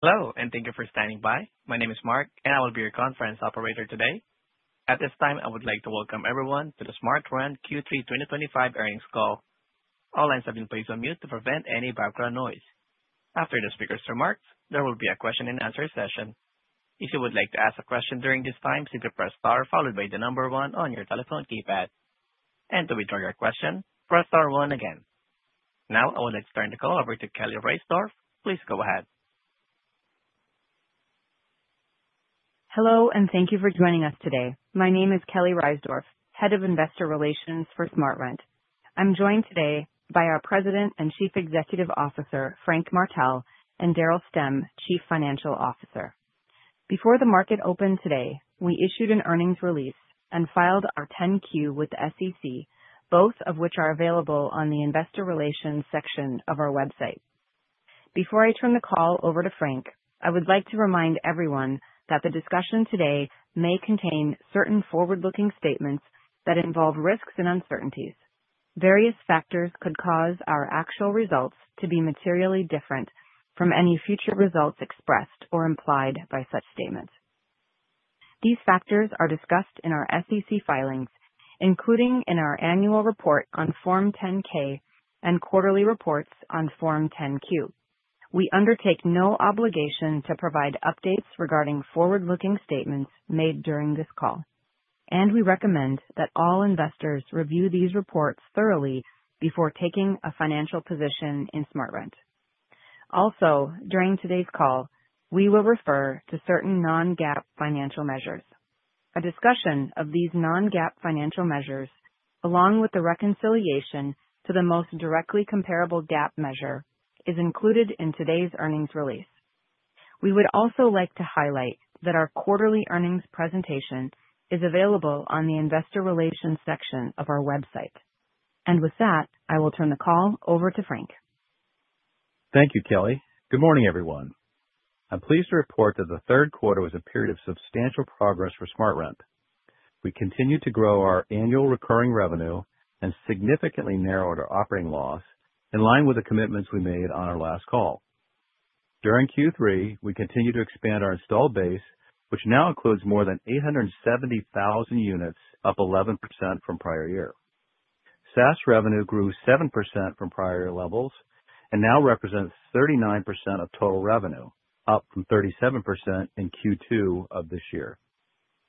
Hello, and thank you for standing by. My name is Mark, and I will be your conference operator today. At this time, I would like to welcome everyone to the SmartRent Q3 2025 Earnings Call. All lines have been placed on mute to prevent any background noise. After the speaker's remarks, there will be a question-and-answer session. If you would like to ask a question during this time, simply press star followed by the number one on your telephone keypad. And to withdraw your question, press star one again. Now, I would like to turn the call over to Kelly Reisdorf. Please go ahead. Hello, and thank you for joining us today. My name is Kelly Reisdorf, Head of Investor Relations for SmartRent. I'm joined today by our President and Chief Executive Officer, Frank Martell, and Daryl Stemm, Chief Financial Officer. Before the market opened today, we issued an earnings release and filed our 10-Q with the SEC, both of which are available on the Investor Relations section of our website. Before I turn the call over to Frank, I would like to remind everyone that the discussion today may contain certain forward-looking statements that involve risks and uncertainties. Various factors could cause our actual results to be materially different from any future results expressed or implied by such statements. These factors are discussed in our SEC filings, including in our annual report on Form 10-K and quarterly reports on Form 10-Q. We undertake no obligation to provide updates regarding forward-looking statements made during this call, and we recommend that all investors review these reports thoroughly before taking a financial position in SmartRent. Also, during today's call, we will refer to certain non-GAAP financial measures. A discussion of these non-GAAP financial measures, along with the reconciliation to the most directly comparable GAAP measure, is included in today's earnings release. We would also like to highlight that our quarterly earnings presentation is available on the Investor Relations section of our website. And with that, I will turn the call over to Frank. Thank you, Kelly. Good morning, everyone. I'm pleased to report that the Q3 was a period of substantial progress for SmartRent. We continued to grow our annual recurring revenue and significantly narrowed our operating loss, in line with the commitments we made on our last call. During Q3, we continued to expand our installed base, which now includes more than 870,000 units, up 11% from prior year. SaaS revenue grew 7% from prior year levels and now represents 39% of total revenue, up from 37% in Q2 of this year.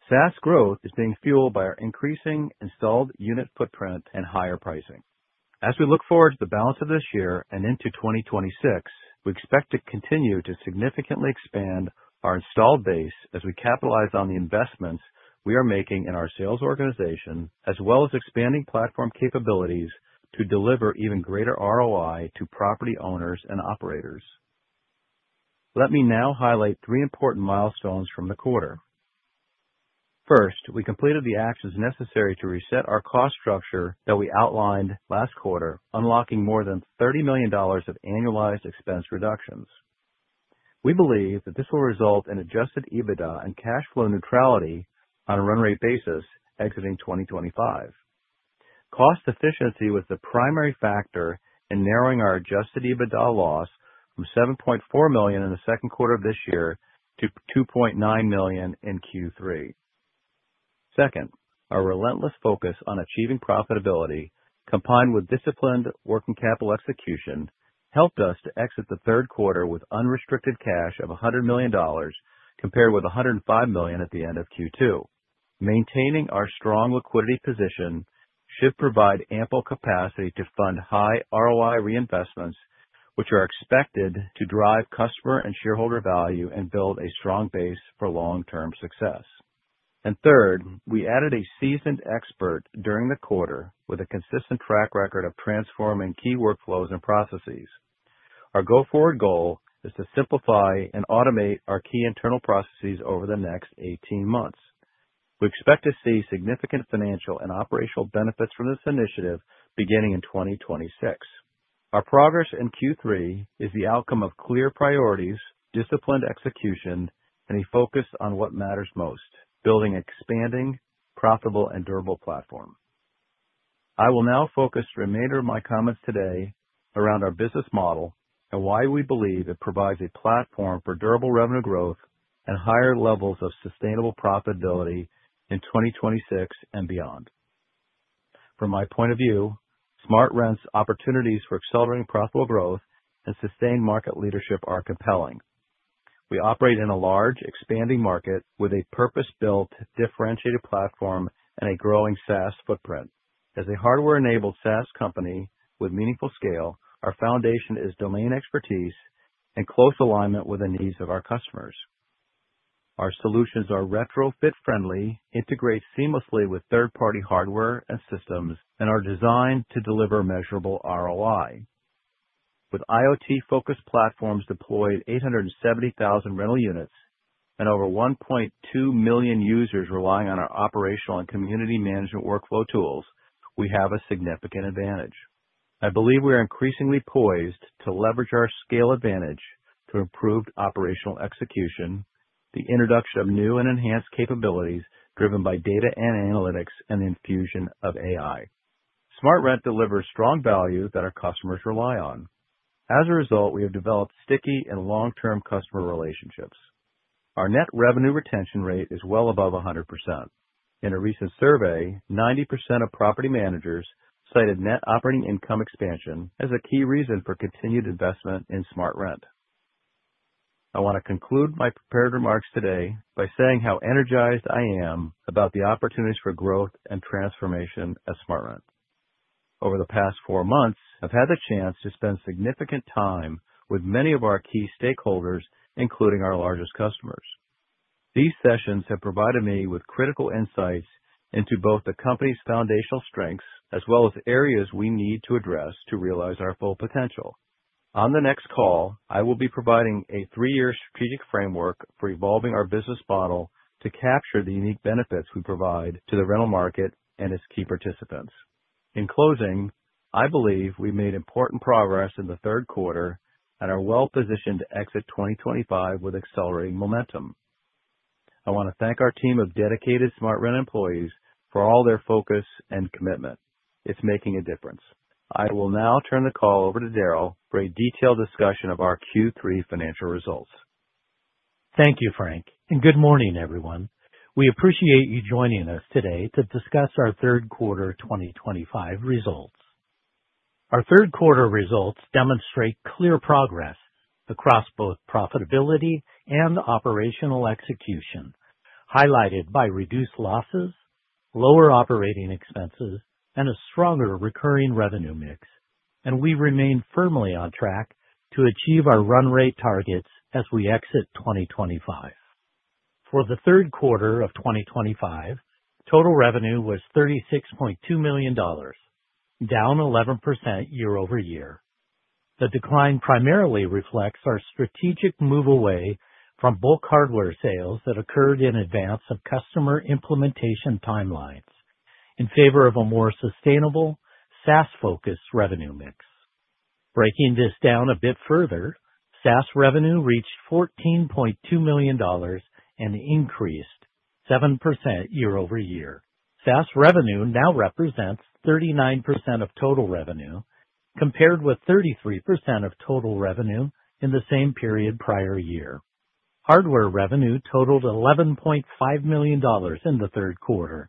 SaaS growth is being fueled by our increasing installed unit footprint and higher pricing. As we look forward to the balance of this year and into 2026, we expect to continue to significantly expand our installed base as we capitalize on the investments we are making in our sales organization, as well as expanding platform capabilities to deliver even greater ROI to property owners and operators. Let me now highlight three important milestones from the quarter. First, we completed the actions necessary to reset our cost structure that we outlined last quarter, unlocking more than $30 million of annualized expense reductions. We believe that this will result in adjusted EBITDA and cash flow neutrality on a run rate basis exiting 2025. Cost efficiency was the primary factor in narrowing our adjusted EBITDA loss from $7.4 million in the Q2 of this year to $2.9 million in Q3. Second, our relentless focus on achieving profitability, combined with disciplined working capital execution, helped us to exit the Q3 with unrestricted cash of $100 million, compared with $105 million at the end of Q2. Maintaining our strong liquidity position should provide ample capacity to fund high ROI reinvestments, which are expected to drive customer and shareholder value and build a strong base for long-term success. And third, we added a seasoned expert during the quarter, with a consistent track record of transforming key workflows and processes. Our go forward goal is to simplify and automate our key internal processes over the next 18 months. We expect to see significant financial and operational benefits from this initiative beginning in 2026. Our progress in Q3 is the outcome of clear priorities, disciplined execution, and a focus on what matters most: building an expanding, profitable, and durable platform. I will now focus the remainder of my comments today around our business model and why we believe it provides a platform for durable revenue growth and higher levels of sustainable profitability in 2026 and beyond. From my point of view, SmartRent's opportunities for accelerating profitable growth and sustained market leadership are compelling. We operate in a large, expanding market with a purpose-built, differentiated platform and a growing SaaS footprint. As a hardware-enabled SaaS company with meaningful scale, our foundation is domain expertise and close alignment with the needs of our customers. Our solutions are retrofit-friendly, integrate seamlessly with third-party hardware and systems, and are designed to deliver measurable ROI. With IoT-focused platforms deployed at 870,000 rental units and over 1.2 million users relying on our operational and community management workflow tools, we have a significant advantage. I believe we are increasingly poised to leverage our scale advantage to improved operational execution, the introduction of new and enhanced capabilities driven by data and analytics, and the infusion of AI. SmartRent delivers strong value that our customers rely on. As a result, we have developed sticky and long-term customer relationships. Our net revenue retention rate is well above 100%. In a recent survey, 90% of property managers cited net operating income expansion as a key reason for continued investment in SmartRent. I want to conclude my prepared remarks today by saying how energized I am about the opportunities for growth and transformation at SmartRent. Over the past four months, I've had the chance to spend significant time with many of our key stakeholders, including our largest customers. These sessions have provided me with critical insights into both the company's foundational strengths as well as areas we need to address to realize our full potential. On the next call, I will be providing a three-year strategic framework for evolving our business model to capture the unique benefits we provide to the rental market and its key participants. In closing, I believe we've made important progress in the Q3 and are well-positioned to exit 2025 with accelerating momentum. I want to thank our team of dedicated SmartRent employees for all their focus and commitment. It's making a difference. I will now turn the call over to Daryl for a detailed discussion of our Q3 financial results. Thank you, Frank, and good morning, everyone. We appreciate you joining us today to discuss our Q3 2025 results. Our Q3 results demonstrate clear progress across both profitability and operational execution, highlighted by reduced losses, lower operating expenses, and a stronger recurring revenue mix, and we remain firmly on track to achieve our run rate targets as we exit 2025. For the Q3 of 2025, total revenue was $36.2 million, down 11% year-over-year. The decline primarily reflects our strategic move away from bulk hardware sales that occurred in advance of customer implementation timelines in favor of a more sustainable SaaS-focused revenue mix. Breaking this down a bit further, SaaS revenue reached $14.2 million and increased 7% year-over-year. SaaS revenue now represents 39% of total revenue, compared with 33% of total revenue in the same period prior year. Hardware revenue totaled $11.5 million in the Q3,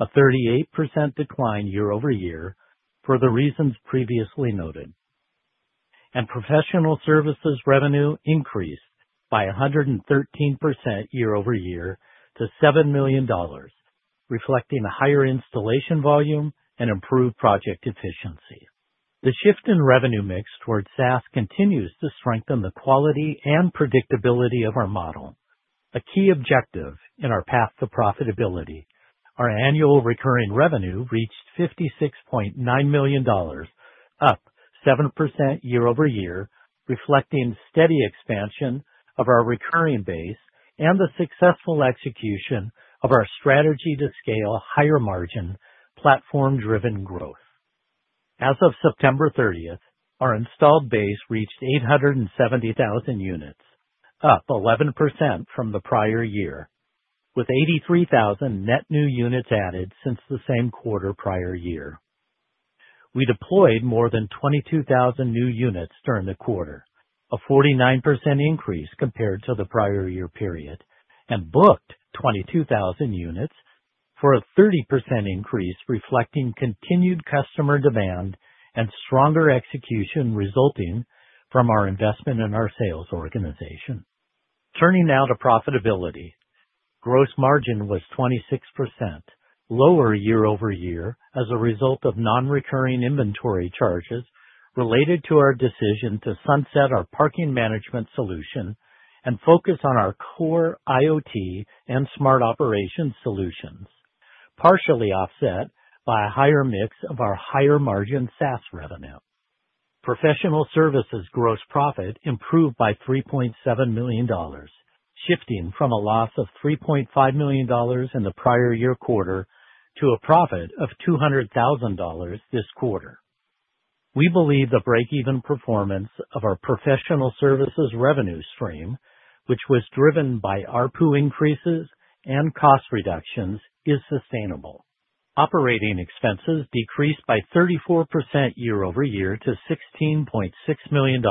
a 38% decline year-over-year for the reasons previously noted. And professional services revenue increased by 113% year-over-year to $7 million, reflecting a higher installation volume and improved project efficiency. The shift in revenue mix towards SaaS continues to strengthen the quality and predictability of our model, a key objective in our path to profitability. Our annual recurring revenue reached $56.9 million, up 7% year-over-year, reflecting steady expansion of our recurring base and the successful execution of our strategy to scale higher-margin platform-driven growth. As of September 30th 2025, our installed base reached 870,000 units, up 11% from the prior year, with 83,000 net new units added since the same quarter prior year. We deployed more than 22,000 new units during the quarter, a 49% increase compared to the prior year period, and booked 22,000 units for a 30% increase, reflecting continued customer demand and stronger execution resulting from our investment in our sales organization. Turning now to profitability, gross margin was 26%, lower year-over-year as a result of non-recurring inventory charges related to our decision to sunset our parking management solution and focus on our Core IoT and Smart Operations Solutions, partially offset by a higher mix of our higher-margin SaaS revenue. Professional services gross profit improved by $3.7 million, shifting from a loss of $3.5 million in the prior year quarter to a profit of $200,000 this quarter. We believe the break-even performance of our professional services revenue stream, which was driven by ARPU increases and cost reductions, is sustainable. Operating expenses decreased by 34% year-over-year to $16.6 million,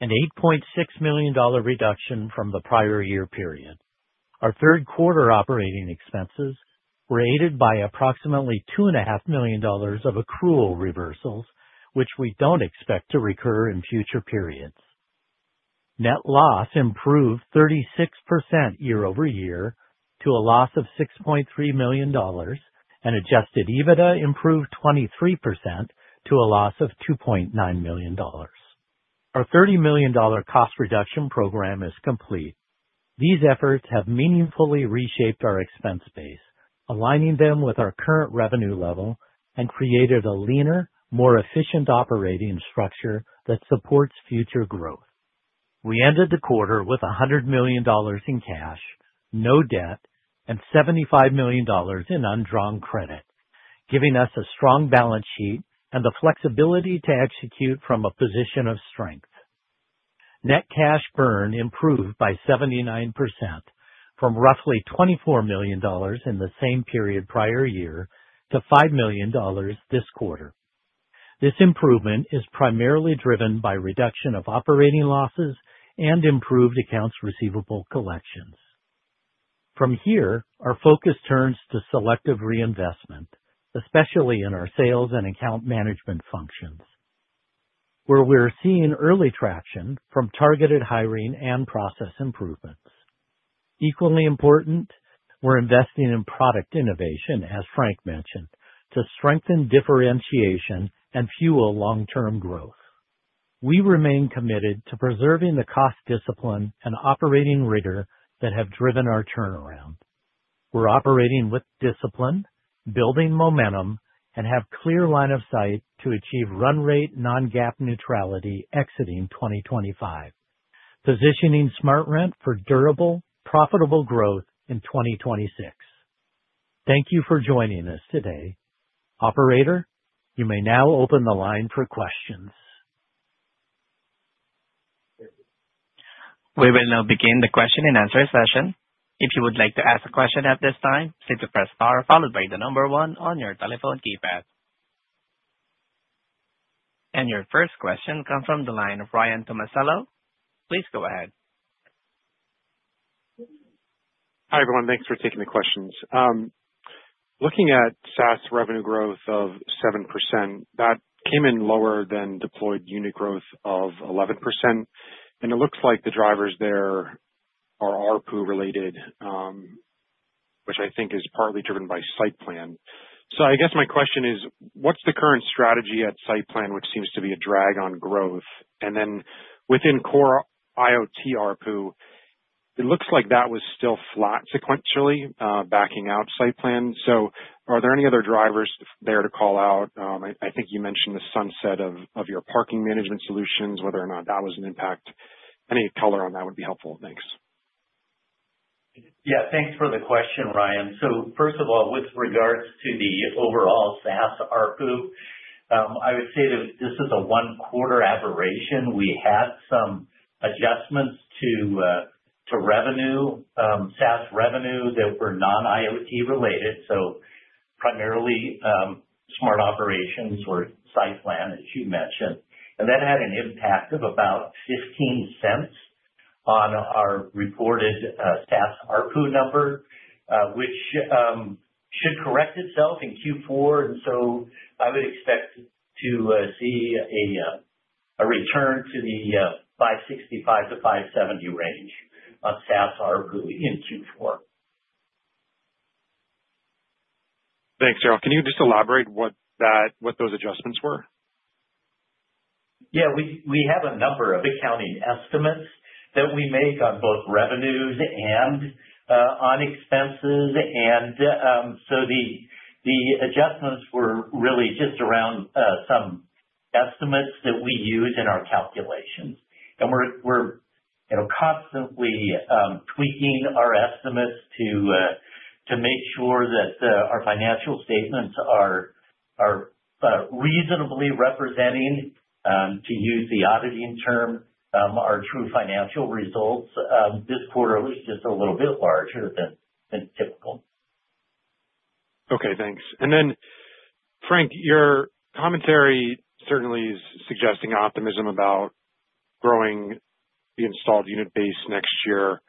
an $8.6 million reduction from the prior year period. Our Q3 operating expenses were aided by approximately $2.5 million of accrual reversals, which we don't expect to recur in future periods. Net loss improved 36% year-over-year to a loss of $6.3 million, and Adjusted EBITDA improved 23% to a loss of $2.9 million. Our $30 million cost reduction program is complete. These efforts have meaningfully reshaped our expense base, aligning them with our current revenue level, and created a leaner, more efficient operating structure that supports future growth. We ended the quarter with $100 million in cash, no debt, and $75 million in undrawn credit, giving us a strong balance sheet and the flexibility to execute from a position of strength. Net cash burn improved by 79% from roughly $24 million in the same period prior year to $5 million this quarter. This improvement is primarily driven by reduction of operating losses and improved accounts receivable collections. From here, our focus turns to selective reinvestment, especially in our sales and account management functions, where we're seeing early traction from targeted hiring and process improvements. Equally important, we're investing in product innovation, as Frank mentioned, to strengthen differentiation and fuel long-term growth. We remain committed to preserving the cost discipline and operating rigor that have driven our turnaround. We're operating with discipline, building momentum, and have a clear line of sight to achieve run rate non-GAAP neutrality exiting 2025, positioning SmartRent for durable, profitable growth in 2026. Thank you for joining us today. Operator, you may now open the line for questions. We will now begin the question and answer session. If you would like to ask a question at this time, please press star followed by the number one on your telephone keypad. And your first question comes from the line of Ryan Tomasello. Please go ahead. Hi everyone, thanks for taking the questions. Looking at SaaS revenue growth of 7%, that came in lower than deployed unit growth of 11%, and it looks like the drivers there are ARPU-related, which I think is partly driven by SightPlan. So I guess my question is, what's the current strategy at SightPlan, which seems to be a drag on growth? And then within core IoT ARPU, it looks like that was still flat sequentially backing out SightPlan. So are there any other drivers there to call out? I think you mentioned the sunset of your Parking Management Solutions, whether or not that was an impact. Any color on that would be helpful. Thanks. Yeah, thanks for the question, Ryan. So first of all, with regards to the overall SaaS ARPU, I would say this is a one-quarter aberration. We had some adjustments to revenue, SaaS revenue that were non-IoT related, so primarily Smart Operations or SightPlan, as you mentioned. And that had an impact of about $0.15 on our reported SaaS ARPU number, which should correct itself in Q4. And so I would expect to see a return to the 565-570 range of SaaS ARPU in Q4. Thanks, Daryl. Can you just elaborate what those adjustments were? Yeah, we have a number of accounting estimates that we make on both revenues and on expenses. And so the adjustments were really just around some estimates that we use in our calculations. And we're constantly tweaking our estimates to make sure that our financial statements are reasonably representing, to use the auditing term, our true financial results. This quarter was just a little bit larger than typical. Okay, thanks. And then, Frank, your commentary certainly is suggesting optimism about growing the installed unit base next year.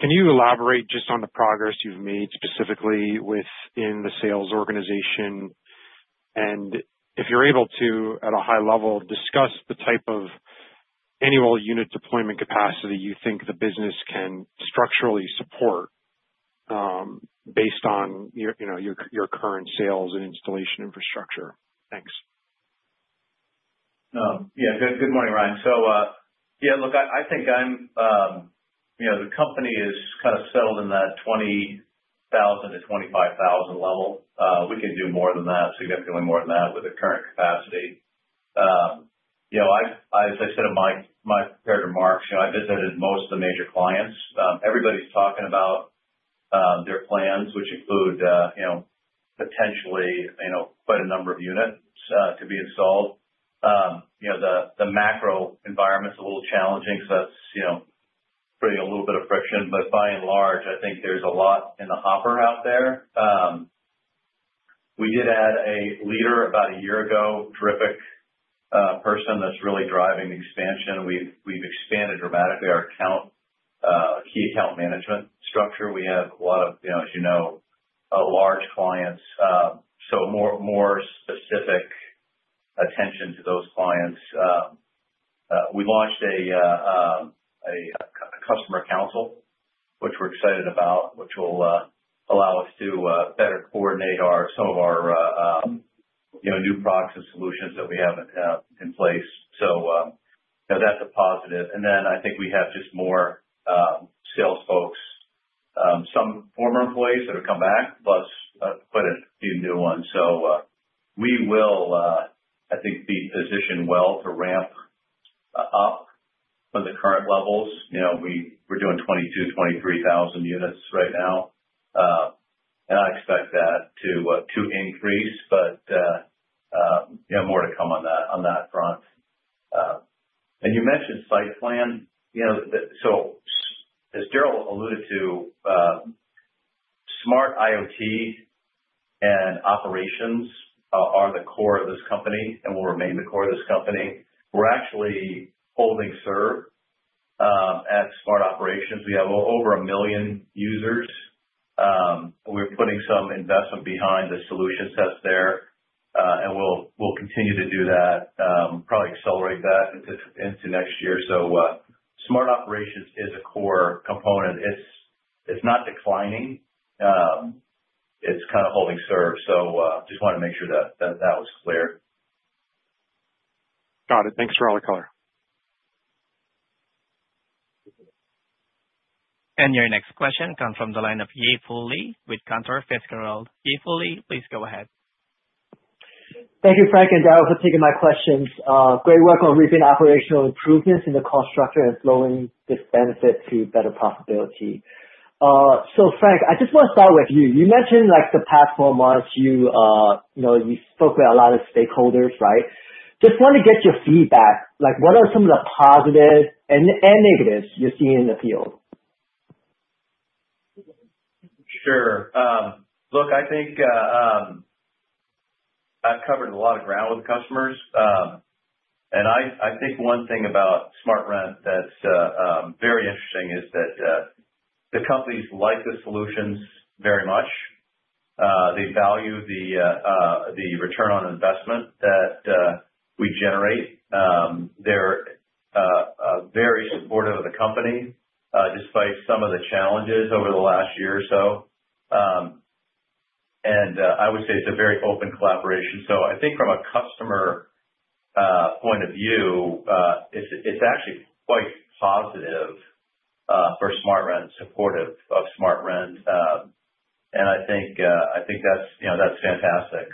Can you elaborate just on the progress you've made specifically within the sales organization? And if you're able to, at a high level, discuss the type of annual unit deployment capacity you think the business can structurally support based on your current sales and installation infrastructure? Thanks. Yeah, good morning, Ryan. So yeah, look, I think the company is kind of settled in that 20,000-25,000 level. We can do more than that, significantly more than that with the current capacity. As I said in my prepared remarks, I visited most of the major clients. Everybody's talking about their plans, which include potentially quite a number of units to be installed. The macro environment's a little challenging, so that's creating a little bit of friction. But by and large, I think there's a lot in the hopper out there. We did add a leader about a year ago, a terrific person that's really driving the expansion. We've expanded dramatically our key account management structure. We have a lot of, as you know, large clients, so more specific attention to those clients. We launched a customer council, which we're excited about, which will allow us to better coordinate some of our new products and solutions that we have in place. So that's a positive. And then I think we have just more sales folks, some former employees that have come back, plus quite a few new ones. So we will, I think, be positioned well to ramp up from the current levels. We're doing 22,000-23,000 units right now, and I expect that to increase, but more to come on that front. And you mentioned SightPlan. So as Daryl alluded to, Smart IoT and Operations are the core of this company and will remain the core of this company. We're actually holding serve at Smart Operations. We have over a million users. We're putting some investment behind the solutions that's there, and we'll continue to do that, probably accelerate that into next year. So Smart Operations is a core component. It's not declining. It's kind of holding serve. So I just wanted to make sure that that was clear. Got it. Thanks for all the color. Your next question comes from the line of Yi Fu Lee with Cantor Fitzgerald. Yi Fu Lee, please go ahead. Thank you, Frank and Daryl, for taking my questions. Great work on reaping operational improvements in the cost structure and flowing this benefit to better profitability. So, Frank, I just want to start with you. You mentioned the past four months you spoke with a lot of stakeholders, right? Just want to get your feedback. What are some of the positives and negatives you're seeing in the field? Sure. Look, I think I've covered a lot of ground with customers. And I think one thing about SmartRent that's very interesting is that the companies like the solutions very much. They value the return on investment that we generate. They're very supportive of the company despite some of the challenges over the last year or so. And I would say it's a very open collaboration. So I think from a customer point of view, it's actually quite positive for SmartRent and supportive of SmartRent. And I think that's fantastic.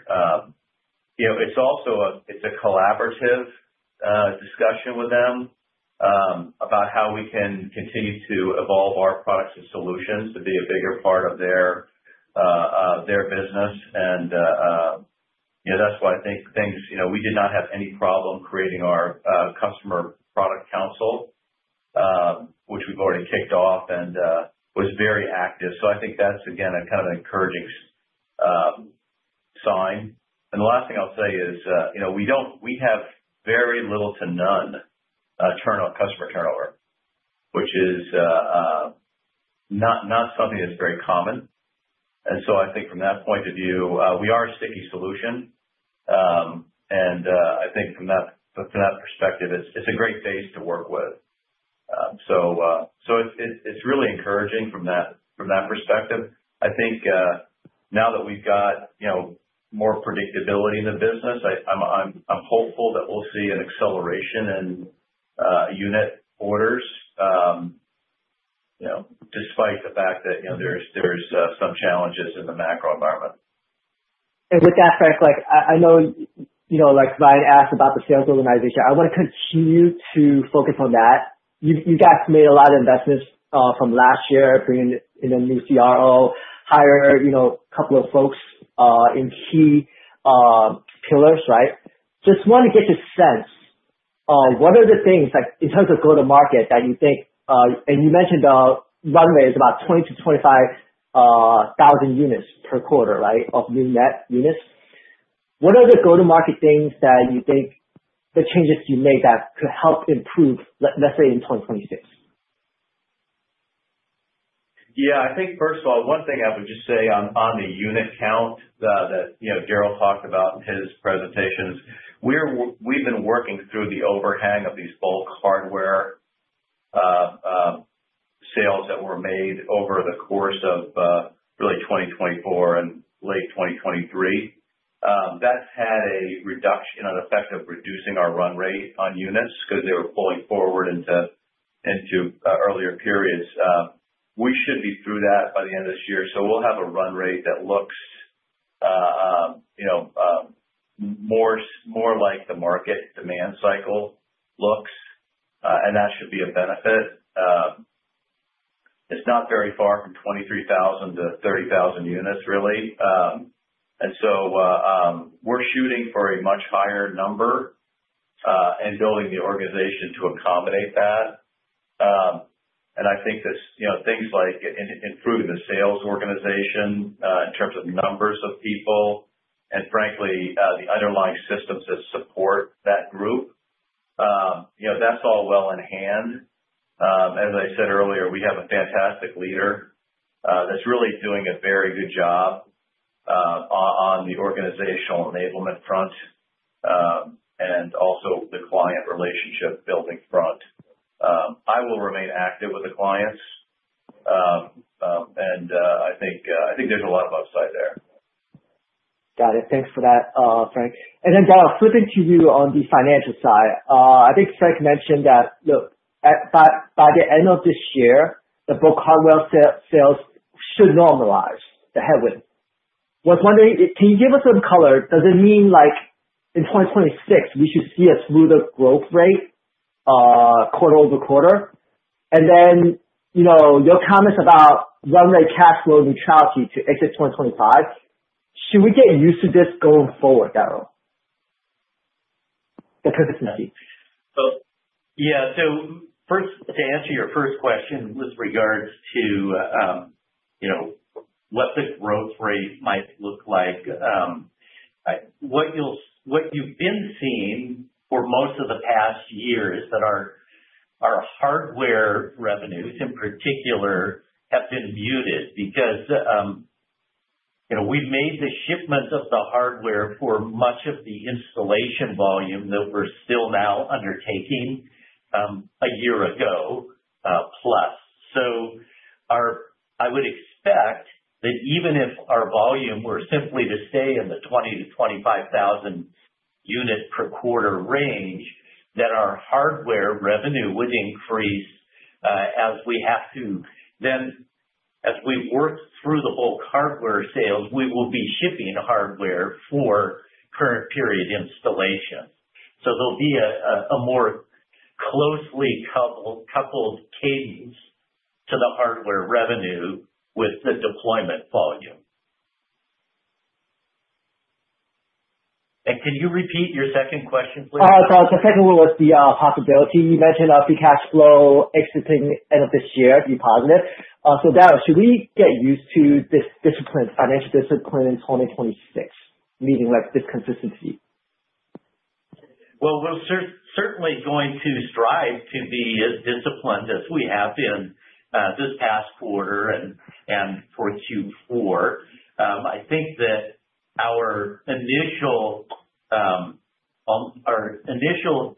It's a collaborative discussion with them about how we can continue to evolve our products and solutions to be a bigger part of their business. And that's why I think things we did not have any problem creating our Customer Product Council, which we've already kicked off and was very active. So I think that's, again, a kind of encouraging sign. And the last thing I'll say is we have very little to none customer turnover, which is not something that's very common. And so I think from that point of view, we are a sticky solution. And I think from that perspective, it's a great base to work with. So it's really encouraging from that perspective. I think now that we've got more predictability in the business, I'm hopeful that we'll see an acceleration in unit orders despite the fact that there's some challenges in the macro environment. With that, Frank, I know Ryan asked about the sales organization. I want to continue to focus on that. You guys made a lot of investments from last year, bringing in a new CRO, hiring a couple of folks in key pillars, right? Just want to get a sense. What are the things in terms of go-to-market that you think and you mentioned run rate is about 20 to 25,000 units per quarter, right, of new net units? What are the go-to-market things that you think the changes you make that could help improve, let's say, in 2026? Yeah, I think first of all, one thing I would just say on the unit count that Daryl talked about in his presentations. We've been working through the overhang of these bulk hardware sales that were made over the course of really 2024 and late 2023. That's had an effect of reducing our run rate on units because they were pulling forward into earlier periods. We should be through that by the end of this year. So we'll have a run rate that looks more like the market demand cycle looks, and that should be a benefit. It's not very far from 23,000 to 30,000 units, really. And so we're shooting for a much higher number and building the organization to accommodate that. And I think things like improving the sales organization in terms of numbers of people and, frankly, the underlying systems that support that group, that's all well in hand. As I said earlier, we have a fantastic leader that's really doing a very good job on the organizational enablement front and also the client relationship building front. I will remain active with the clients, and I think there's a lot of upside there. Got it. Thanks for that, Frank. And then, Daryl, flipping to you on the financial side, I think Frank mentioned that, look, by the end of this year, the bulk hardware sales should normalize, the headwind. I was wondering, can you give us some color? Does it mean in 2026 we should see a smoother growth rate quarter-over-quarter? And then your comments about run rate cash flow neutrality to exit 2025, should we get used to this going forward, Daryl? The consistency. Yeah. So first, to answer your first question with regards to what the growth rate might look like, what you've been seeing for most of the past years that our hardware revenues, in particular, have been muted because we've made the shipment of the hardware for much of the installation volume that we're still now undertaking a year ago plus. So I would expect that even if our volume were simply to stay in the 20-25,000 units per quarter range, that our hardware revenue would increase as we have to. Then as we work through the bulk hardware sales, we will be shipping hardware for current period installation. So there'll be a more closely coupled cadence to the hardware revenue with the deployment volume. And can you repeat your second question, please? The second one was the possibility you mentioned of the cash flow at the end of this year to be positive. So Daryl, should we get used to this discipline, financial discipline in 2026, meaning this consistency? We're certainly going to strive to be as disciplined as we have been this past quarter and for Q4. I think that our initial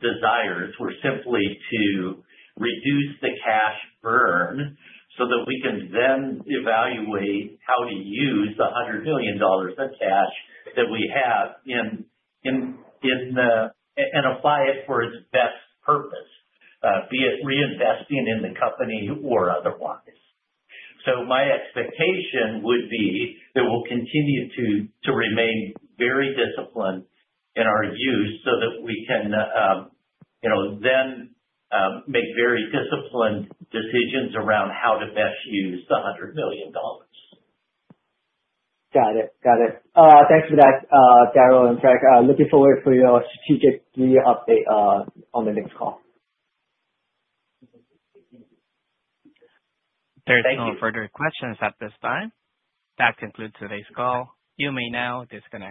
desires were simply to reduce the cash burn so that we can then evaluate how to use the $100 million of cash that we have and apply it for its best purpose, be it reinvesting in the company or otherwise. My expectation would be that we'll continue to remain very disciplined in our use so that we can then make very disciplined decisions around how to best use the $100 million. Got it. Got it. Thanks for that, Daryl and Frank. Looking forward for your strategic update on the next call. There's no further questions at this time. That concludes today's call. You may now disconnect.